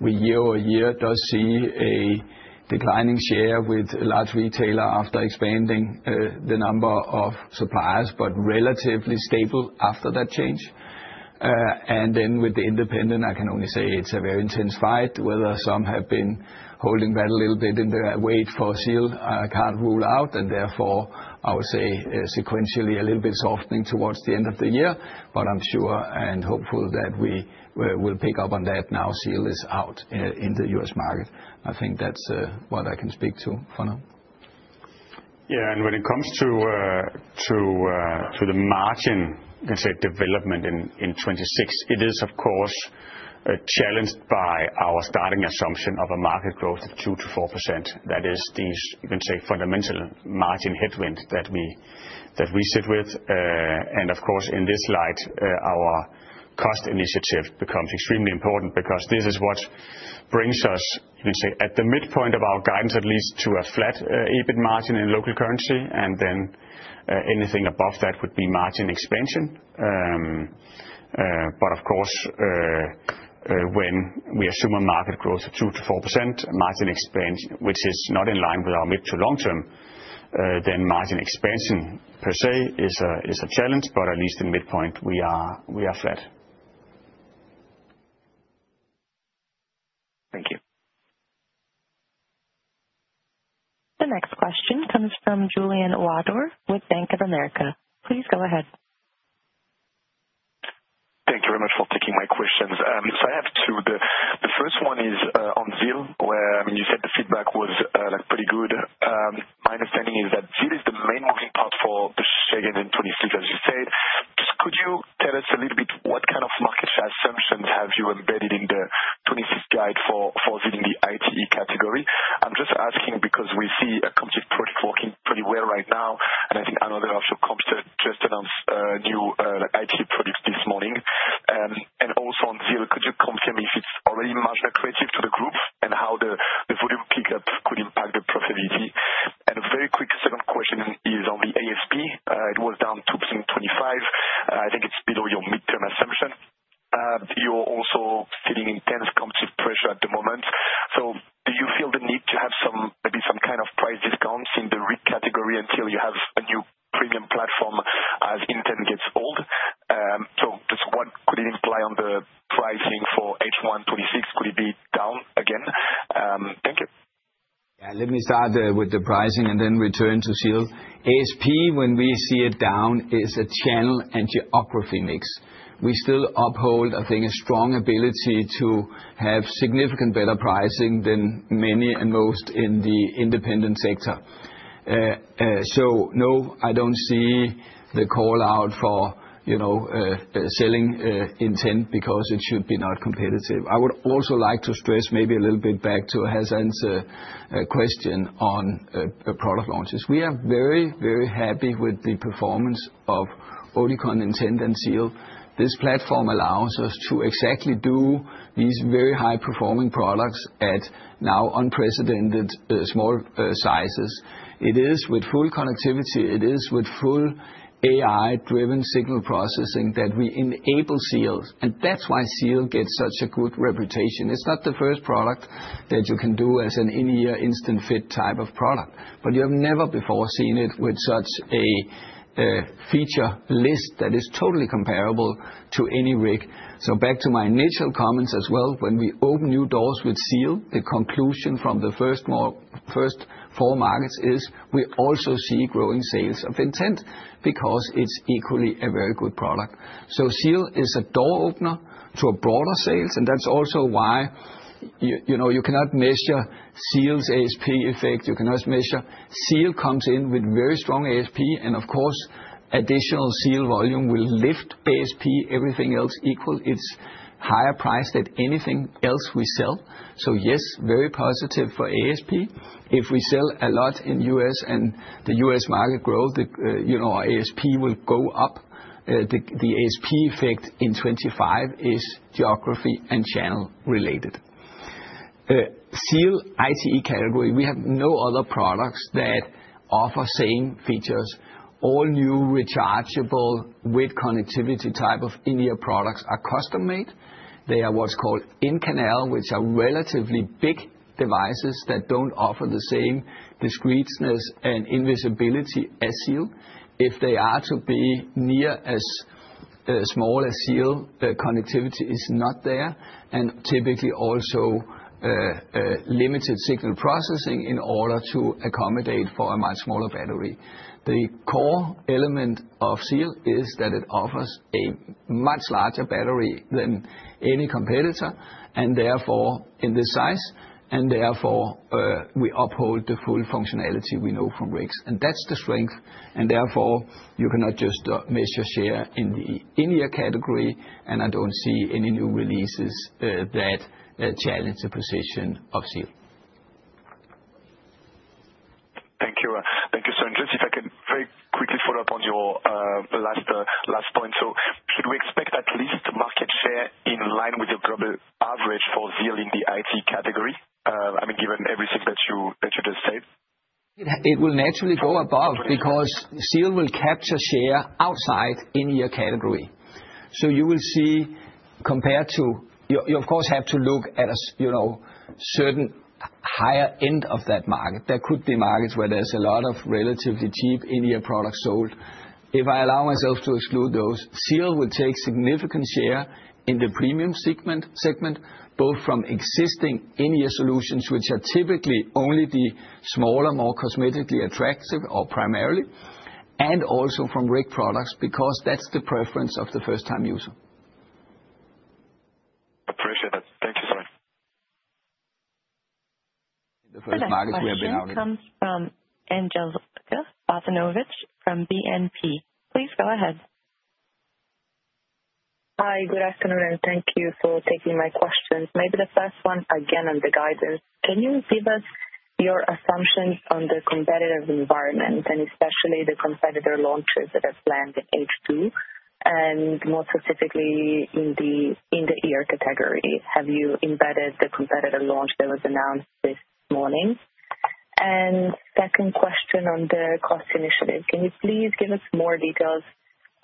We year-over-year does see a declining share with a large retailer after expanding the number of suppliers, but relatively stable after that change. And then with the independent, I can only say it's a very intense fight, whether some have been holding back a little bit in the wait for Zeal, I can't rule out, and therefore, I would say, sequentially, a little bit softening towards the end of the year. But I'm sure and hopeful that we'll pick up on that now, Zeal is out in the U.S. market. I think that's what I can speak to for now. Yeah, and when it comes to the margin, let's say, development in 2026, it is, of course, challenged by our starting assumption of a market growth of 2%-4%. That is these, you can say, fundamental margin headwind that we sit with. And of course, in this light, our cost initiative becomes extremely important because this is what brings us, you can say, at the midpoint of our guidance, at least to a flat EBIT margin in local currency, and then, anything above that would be margin expansion. But of course, when we assume a market growth of 2%-4%, margin expansion, which is not in line with our mid- to long-term, then margin expansion per se is a challenge, but at least in midpoint, we are flat. Thank you. The next question comes from Julien Ouaddour with Bank of America. Please go ahead. Thank you very much for taking my questions. So I have two. The first one is on Zeal, where you said the feedback was like pretty good. My understanding is that Zeal is the main moving part for the second in 2026, as you said. Just could you tell us a little bit, what kind of market share assumptions have you embedded in the 2026 guide for within the ITE category? I'm just asking because we see a competitive product working pretty well right now, and I think another option just announced new ITE products this morning. And also on Zeal, could you confirm if it's already margin accretive to the group, and how the volume pick up could impact the profitability? And a very quick second question is on the ASP. It was down 2% in 2025. I think it's below your mid-term assumption. You're also feeling intense competitive pressure at the moment. So do you feel the need to have some, maybe some kind of price discounts in the RITE category until you have a new premium platform as Intent gets old? So just what could it imply on the pricing for H1 2026? Could it be down again? Thank you. Yeah, let me start with the pricing and then return to Zeal. ASP, when we see it down, is a channel and geography mix. We still uphold, I think, a strong ability to have significant better pricing than many and most in the independent sector. So no, I don't see the call out for, you know, selling Intent because it should be not competitive. I would also like to stress maybe a little bit back to Hassan's question on product launches. We are very, very happy with the performance of Oticon Intent and Zeal. This platform allows us to exactly do these very high-performing products at now unprecedented small sizes. It is with full connectivity, it is with full AI-driven signal processing that we enable Zeals, and that's why Zeal gets such a good reputation. It's not the first product that you can do as an in-ear, instant fit type of product, but you have never before seen it with such a feature list that is totally comparable to any RITE. So back to my initial comments as well, when we open new doors with Zeal, the conclusion from the first four markets is we also see growing sales of Intent because it's equally a very good product. So Zeal is a door opener to a broader sales, and that's also why you know, you cannot measure Zeal's ASP effect. You cannot measure... Zeal comes in with very strong ASP, and of course, additional Zeal volume will lift ASP, everything else equal. It's higher priced than anything else we sell. So yes, very positive for ASP. If we sell a lot in U.S. and the U.S. market growth, you know, our ASP will go up. The ASP effect in 25 is geography and channel related. Zeal ITE category, we have no other products that offer same features. All new rechargeable with connectivity type of in-ear products are custom-made. They are what's called in-canal, which are relatively big devices that don't offer the same discreetness and invisibility as Zeal. If they are to be nearly as small as Zeal, the connectivity is not there, and typically also limited signal processing in order to accommodate for a much smaller battery. The core element of Zeal is that it offers a much larger battery than any competitor, and therefore, in this size, and therefore we uphold the full functionality we know from RITEs. And that's the strength, and therefore, you cannot just measure share in the in-ear category, and I don't see any new releases that challenge the position of Zeal. Thank you. Thank you, Søren. Just if I can very quickly follow up on your, last, last point. So should we expect at least market share in line with the global average for Zeal in the ITE category? I mean, given everything that you, that you just said. It will naturally go above because Zeal will capture share outside in-ear category. So you will see, compared to you, of course, have to look at a certain higher end of that market, you know. There could be markets where there's a lot of relatively cheap in-ear products sold. If I allow myself to exclude those, Zeal will take significant share in the premium segment both from existing in-ear solutions, which are typically only the smaller, more cosmetically attractive or primarily, and also from RITE products, because that's the preference of the first-time user. Appreciate that. Thank you, sir. The next question comes from Anjela Bozinovic from BNP. Please go ahead. Hi, good afternoon, and thank you for taking my questions. Maybe the first one, again, on the guidance. Can you give us your assumptions on the competitive environment, and especially the competitor launches that are planned in H2, and more specifically in the in-the-ear category? Have you embedded the competitor launch that was announced this morning? And second question on the cost initiative: Can you please give us more details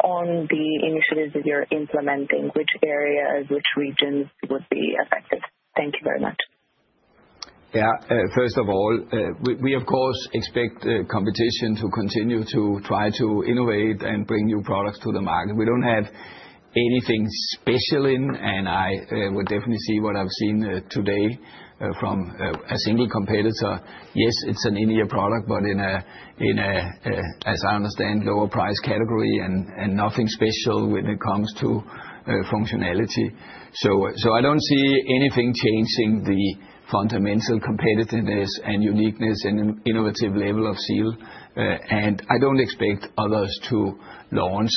on the initiatives that you're implementing, which areas, which regions would be affected? Thank you very much. Yeah. First of all, we, of course, expect competition to continue to try to innovate and bring new products to the market. We don't have anything special in, and I would definitely see what I've seen today from a single competitor. Yes, it's an in-ear product, but in a, as I understand, lower price category and nothing special when it comes to functionality. So I don't see anything changing the fundamental competitiveness and uniqueness and innovative level of Zeal. And I don't expect others to launch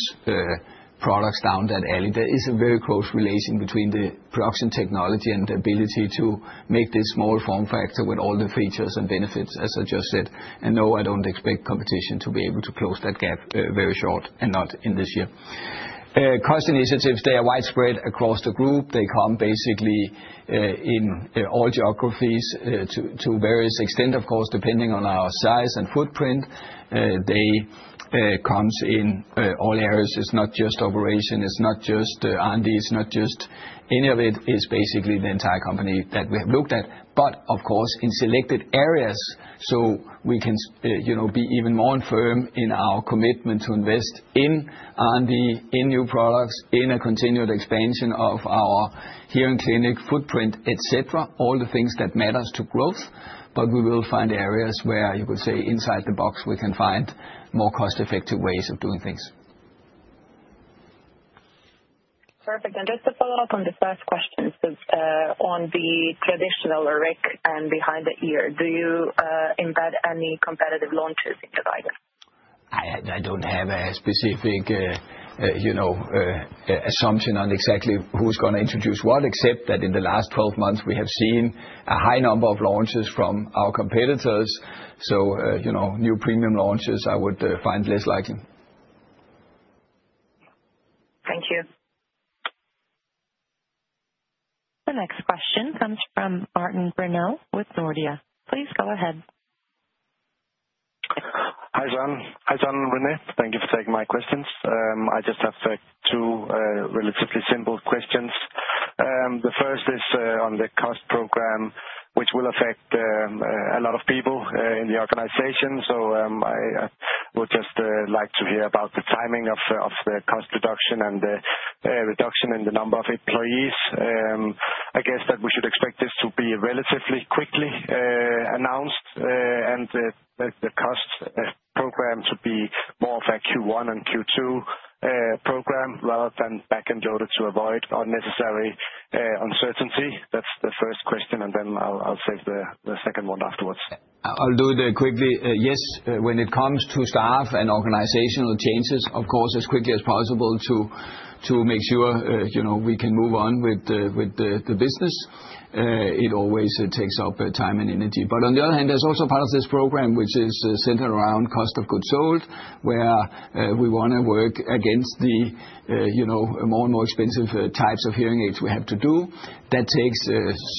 products down that alley. There is a very close relation between the production technology and the ability to make this small form factor with all the features and benefits, as I just said. No, I don't expect competition to be able to close that gap very short and not in this year. Cost initiatives, they are widespread across the group. They come basically in all geographies to various extent, of course, depending on our size and footprint. They come in all areas. It's not just OpEx, it's not just R&D, it's not just any of it, it's basically the entire company that we have looked at. But of course, in selected areas, so you know, be even more firm in our commitment to invest in R&D, in new products, in a continued expansion of our hearing clinic footprint, et cetera, all the things that matters to growth. But we will find areas where you would say inside the box, we can find more cost-effective ways of doing things. Perfect. And just to follow up on the first question, so, on the traditional RIC and behind-the-ear, do you embed any competitive launches into guidance? I don't have a specific, you know, assumption on exactly who's going to introduce what, except that in the last 12 months, we have seen a high number of launches from our competitors. So, you know, new premium launches, I would find less likely. Thank you. The next question comes from Martin Brenøe with Nordea. Please go ahead. Hi, Søren. Hi, Søren and René. Thank you for taking my questions. I just have two relatively simple questions. The first is on the cost program, which will affect a lot of people in the organization. So, I would just like to hear about the timing of the cost reduction and the reduction in the number of employees. I guess that we should expect this to be relatively quickly announced, and the cost program to be more of a Q1 and Q2 program, rather than back-ended, in order to avoid unnecessary uncertainty. That's the first question, and then I'll save the second one afterwards.... I'll do it quickly. Yes, when it comes to staff and organizational changes, of course, as quickly as possible to make sure, you know, we can move on with the business. It always takes up time and energy. But on the other hand, there's also part of this program, which is centered around cost of goods sold, where we wanna work against the, you know, more and more expensive types of Hearing Aids we have to do. That takes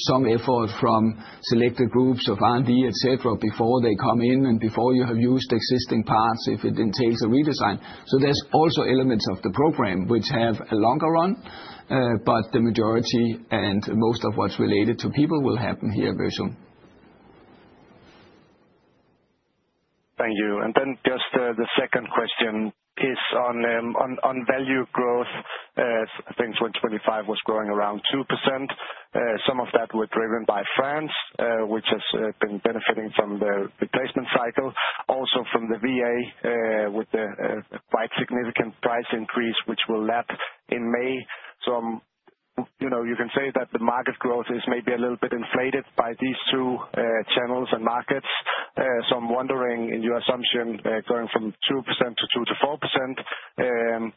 some effort from selected groups of R&D, et cetera, before they come in and before you have used existing parts, if it entails a redesign. So there's also elements of the program which have a longer run, but the majority and most of what's related to people will happen here very soon. Thank you. Then just the second question is on value growth. I think 2025 was growing around 2%. Some of that were driven by France, which has been benefiting from the replacement cycle, also from the VA, with the quite significant price increase, which will lap in May. So, you know, you can say that the market growth is maybe a little bit inflated by these two channels and markets. So I'm wondering, in your assumption, going from 2% to 2%-4%,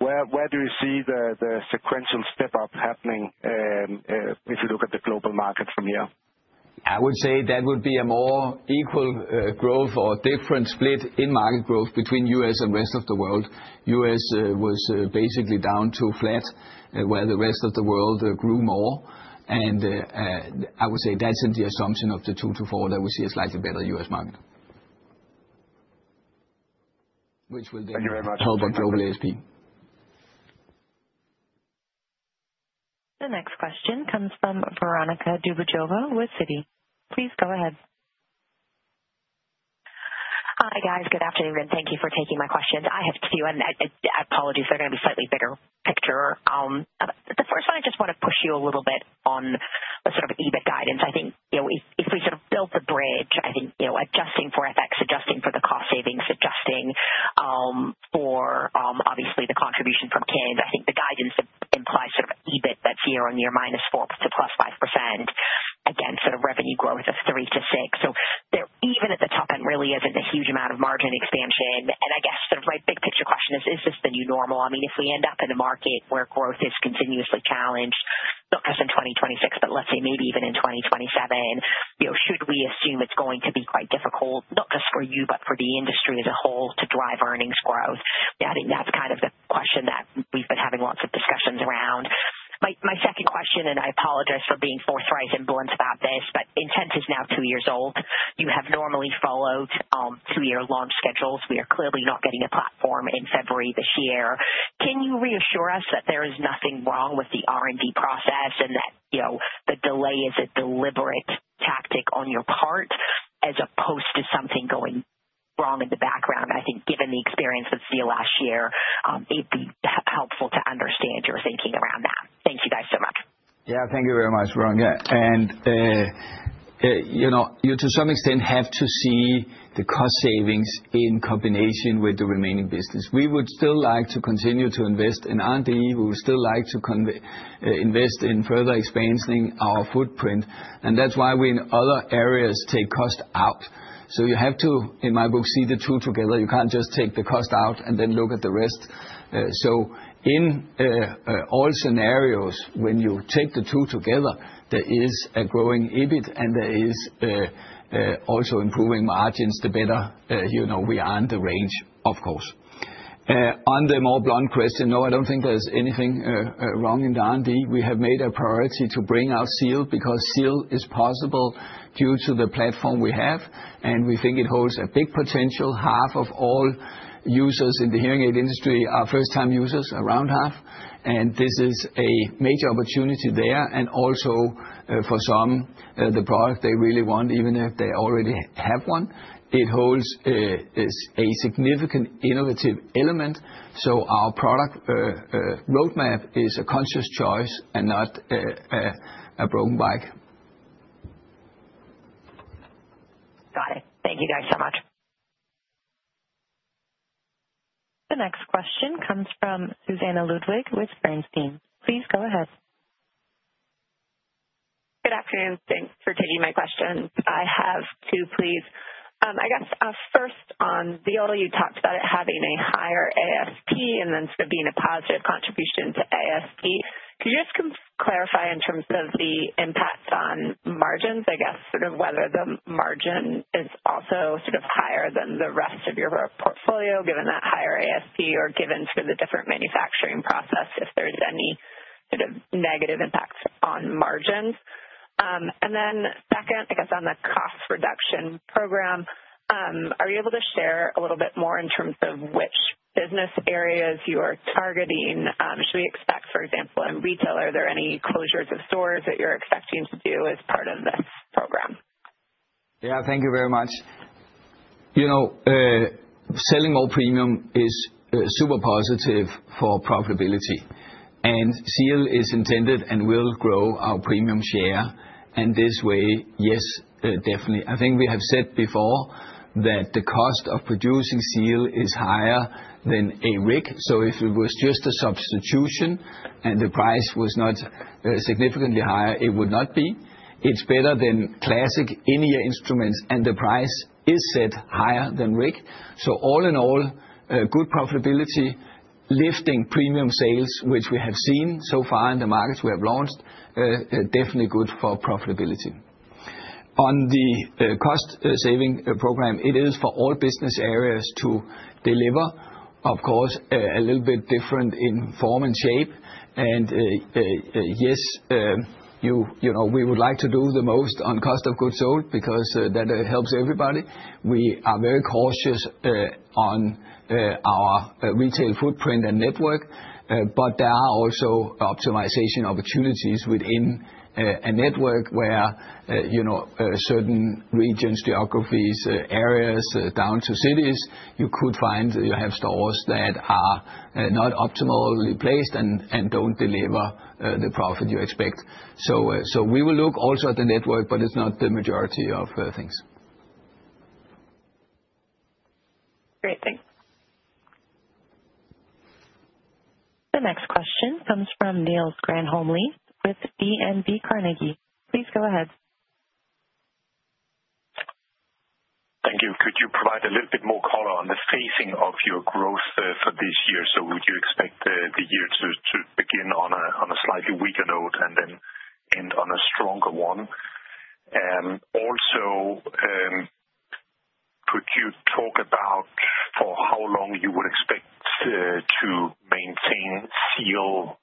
where do you see the sequential step-up happening, if you look at the global market from here? I would say that would be a more equal, growth or different split in market growth between U.S. and rest of the world. U.S. was basically down to flat, where the rest of the world grew more, and, I would say that's in the assumption of the 2-4, that we see a slightly better U.S. market. Which will then- Thank you very much. Help on global ASP. The next question comes from Veronika Dubajova with Citi. Please go ahead. Hi, guys. Good afternoon, and thank you for taking my questions. I have two, and I apologize, they're gonna be slightly bigger picture. The first one, I just want to push you a little bit on the sort of EBIT guidance. I think, you know, if, if we sort of build the bridge, I think, you know, adjusting for FX, adjusting for the cost savings, adjusting for, obviously, the contribution from KIND, I think the guidance implies sort of an EBIT that's year-on-year -4% to +5%, again, sort of revenue growth of 3%-6%. So there, even at the top end, really isn't a huge amount of margin expansion. And I guess the right big picture question is, is this the new normal? I mean, if we end up in a market where growth is continuously challenged, not just in 2026, but let's say maybe even in 2027, you know, should we assume it's going to be quite difficult, not just for you, but for the industry as a whole, to drive earnings growth? I think that's kind of the question that we've been having lots of discussions around. My, my second question, and I apologize for being forthright and blunt about this, but Intent is now 2 years old. You have normally followed 2-year launch schedules. We are clearly not getting a platform in February this year. Can you reassure us that there is nothing wrong with the R&D process and that, you know, the delay is a deliberate tactic on your part, as opposed to something going wrong in the background? I think given the experience with Zeal last year, it'd be helpful to understand your thinking around that. Thank you, guys, so much. Yeah, thank you very much, Veronika. And, you know, you to some extent have to see the cost savings in combination with the remaining business. We would still like to continue to invest in R&D. We would still like to invest in further expanding our footprint, and that's why we in other areas take cost out. So you have to, in my book, see the two together. You can't just take the cost out and then look at the rest. So in all scenarios, when you take the two together, there is a growing EBIT and there is also improving margins, the better, you know, we are in the range, of course. On the more blunt question, no, I don't think there's anything wrong in the R&D. We have made a priority to bring out Zeal, because Zeal is possible due to the platform we have, and we think it holds a big potential. Half of all users in the hearing aid industry are first-time users, around half, and this is a major opportunity there, and also for some, the product they really want, even if they already have one. It holds a significant innovative element, so our product roadmap is a conscious choice and not a broken bike. Got it. Thank you, guys, so much. The next question comes from Susannah Ludwig with Bernstein. Please go ahead. Good afternoon. Thanks for taking my question. I have two, please. I guess, first on Real, you talked about it having a higher ASP and then sort of being a positive contribution to ASP. Could you just clarify in terms of the impact on margins, I guess, sort of whether the margin is also sort of higher than the rest of your portfolio, given that higher ASP or given sort of the different manufacturing process, if there's any sort of negative impacts on margins? And then second, I guess on the cost reduction program, are you able to share a little bit more in terms of which business areas you are targeting? Should we expect, for example, in retail, are there any closures of stores that you're expecting to do as part of this program? Yeah. Thank you very much. You know, selling all premium is super positive for profitability, and Zeal is intended and will grow our premium share. And this way, yes, definitely. I think we have said before that the cost of producing Zeal is higher than a RITE. So if it was just a substitution and the price was not significantly higher, it would not be. It's better than classic in-ear instruments, and the price is set higher than RITE. So all in all, a good profitability, lifting premium sales, which we have seen so far in the markets we have launched, definitely good for profitability. On the cost saving program, it is for all business areas to deliver, of course, a little bit different in form and shape. Yes, you know, we would like to do the most on cost of goods sold because that helps everybody. We are very cautious on our retail footprint and network, but there are also optimization opportunities within a network where you know certain regions, geographies, areas, down to cities, you could find you have stores that are not optimally placed and don't deliver the profit you expect. So we will look also at the network, but it's not the majority of things. Great, thanks. The next question comes from Niels Granholm-Leth with DNB Carnegie. Please go ahead. Thank you. Could you provide a little bit more color on the phasing of your growth for this year? So would you expect the year to begin on a slightly weaker note and then end on a stronger one? And also, could you talk about for how long you would expect to maintain Zeal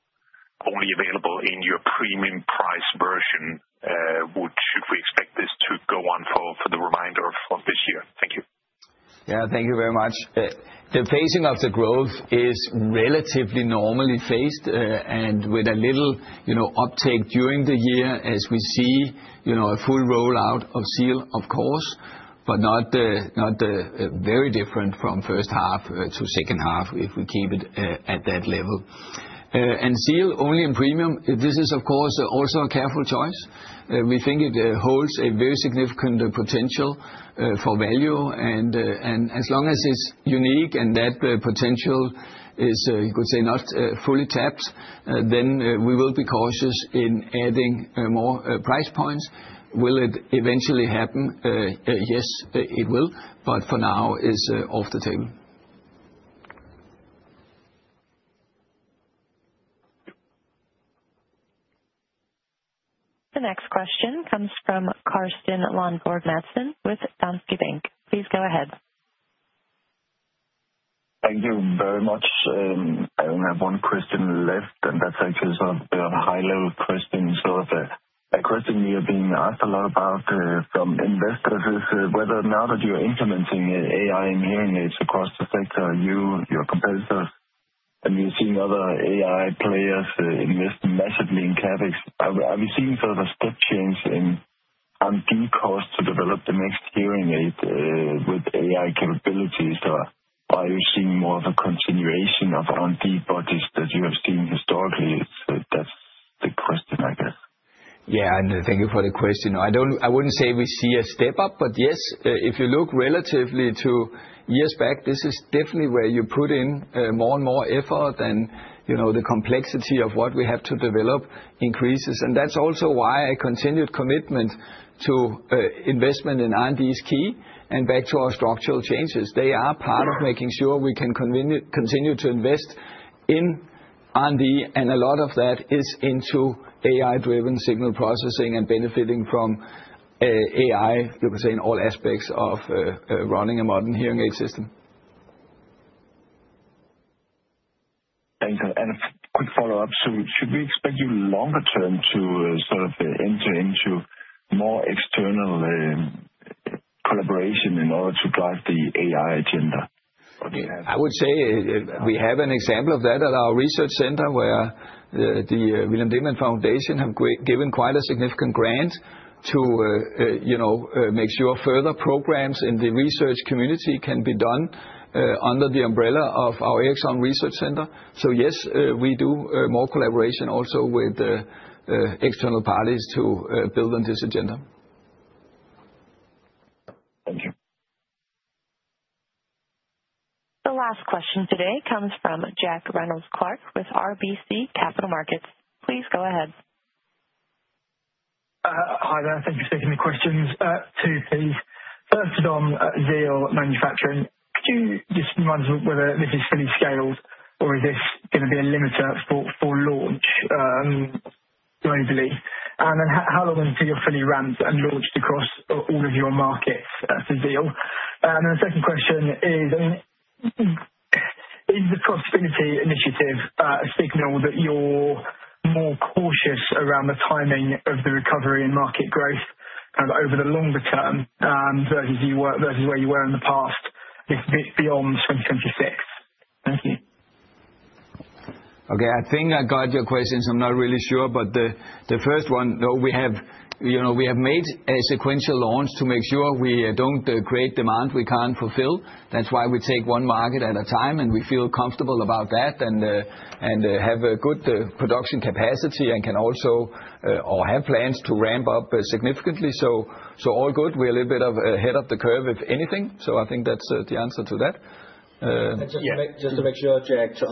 only available in your premium price version? Should we expect this to go on for the remainder of this year? Thank you. Yeah, thank you very much. The phasing of the growth is relatively normally phased, and with a little, you know, uptake during the year as we see, you know, a full rollout of Zeal, of course, but not very different from first half to second half, if we keep it at that level. And Zeal only in premium, this is, of course, also a careful choice. We think it holds a very significant potential for value, and as long as it's unique and that the potential is, you could say, not fully tapped, then we will be cautious in adding more price points. Will it eventually happen? Yes, it will, but for now is off the table. The next question comes from Carsten Lønborg Madsen with Danske Bank. Please go ahead. Thank you very much. I only have one question left, and that's actually sort of a high-level question. So the, a question we have been asked a lot about from investors is whether now that you're implementing AI in Hearing Aids across the sector, you, your competitors, and we've seen other AI players invest massively in CapEx. Are we seeing sort of a step change in R&D costs to develop the next hearing aid with AI capabilities? Or are we seeing more of a continuation of R&D budgets that you have seen historically? So that's the question, I guess. Yeah, and thank you for the question. I don't—I wouldn't say we see a step up, but yes, if you look relatively to years back, this is definitely where you put in more and more effort than, you know, the complexity of what we have to develop increases. And that's also why a continued commitment to investment in R&D is key, and back to our structural changes. They are part of making sure we can continue to invest in R&D, and a lot of that is into AI-driven signal processing and benefiting from AI, you could say, in all aspects of running a modern hearing aid system. Thank you. And a quick follow-up: So should we expect you longer term to sort of enter into more external collaboration in order to drive the AI agenda? I would say we have an example of that at our research center, where the William Demant Foundation have given quite a significant grant to, you know, make sure further programs in the research community can be done, under the umbrella of our Eriksholm Research Centre. So yes, we do more collaboration also with the external parties to build on this agenda. Thank you. The last question today comes from Jack Reynolds-Clark with RBC Capital Markets. Please go ahead. Hi there. Thank you for taking the questions. Two, please. First on Zeal manufacturing. Could you just remind us whether this is fully scaled, or is this going to be a limiter for launch globally? And then how long until you're fully ramped and launched across all of your markets as to Zeal? And then the second question is, is the profitability initiative a signal that you're more cautious around the timing of the recovery and market growth over the longer term versus where you were in the past, a bit beyond 2026? Thank you. Okay, I think I got your questions. I'm not really sure, but the first one, though, we have, you know, we have made a sequential launch to make sure we don't create demand we can't fulfill. That's why we take one market at a time, and we feel comfortable about that and have a good production capacity and can also or have plans to ramp up significantly. So all good. We're a little bit of ahead of the curve, if anything. So I think that's the answer to that. Just to make, just to make sure, Jack, to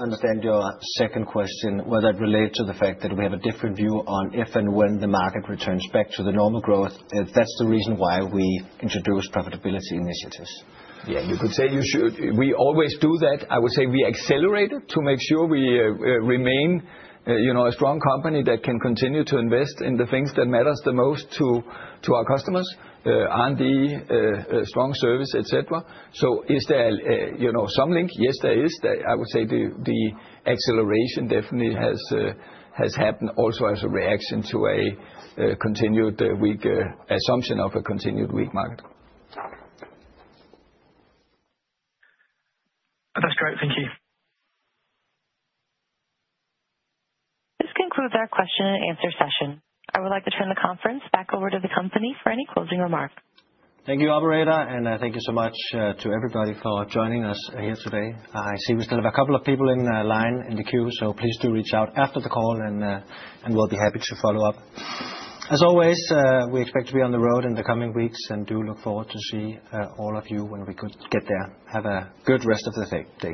understand your second question, whether that relate to the fact that we have a different view on if and when the market returns back to the normal growth, that's the reason why we introduced profitability initiatives. Yeah, you could say you should. We always do that. I would say we accelerate it to make sure we remain, you know, a strong company that can continue to invest in the things that matters the most to our customers, R&D, strong service, et cetera. So is there, you know, some link? Yes, there is. I would say the acceleration definitely has happened also as a reaction to a continued weak assumption of a continued weak market. That's great. Thank you. This concludes our question-and-answer session. I would like to turn the conference back over to the company for any closing remarks. Thank you, operator, and thank you so much to everybody for joining us here today. I see we still have a couple of people in the line, in the queue, so please do reach out after the call, and we'll be happy to follow up. As always, we expect to be on the road in the coming weeks and do look forward to see all of you when we could get there. Have a good rest of the day.